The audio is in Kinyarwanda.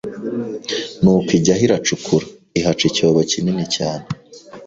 Nuko ijyaho iracukura ihaca icyobo kinini cyane